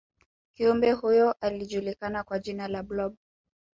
kiumbe huyo alijulikana kwa jina la blob